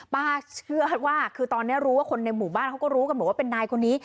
ละครว่าคือตอนนี้รู้ว่าคนในหมู่บ้านเค้าก็รู้ว่าเป็นนายคนนี้